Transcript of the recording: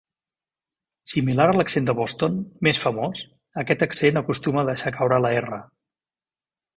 Similar a l'accent de Boston, més famós, aquest accent acostuma a deixar caure la "r".